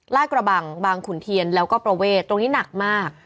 กระบังบางขุนเทียนแล้วก็ประเวทตรงนี้หนักมาก